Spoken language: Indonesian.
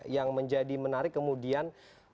yang menjadi menarik kemudian